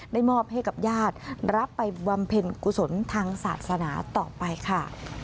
มอบให้กับญาติรับไปบำเพ็ญกุศลทางศาสนาต่อไปค่ะ